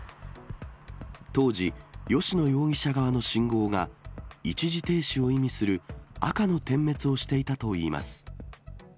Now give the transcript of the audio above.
当時、吉野容疑者側の信号が一時停止を意味する、赤の点滅をしていたといいます。